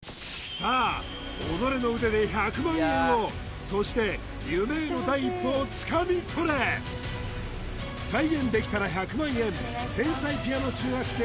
さあ己の腕で１００万円をそして夢への第一歩をつかみ取れ再現できたら１００万円天才ピアノ中学生